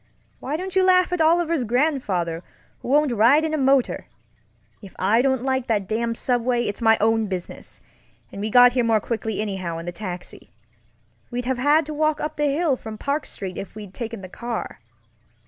Why don't you laugh at Oliver's grandfather, who won't ride in a motor? If I don't like that damned subway, it's my own business; and we got here more quickly anyhow in the taxi. We'd have had to walk up the hill from Park Street if we'd taken the car.